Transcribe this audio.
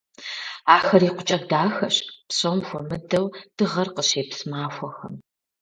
Ахэр икъукӀэ дахэщ, псом хуэмыдэу дыгъэр къыщепс махуэхэм.